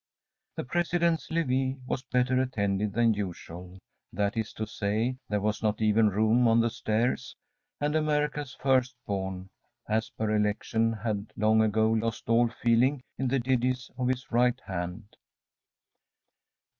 The President's levee was better attended than usual; that is to say, there was not even room on the stairs, and America's first born, as per election, had long ago lost all feeling in the digits of his right hand.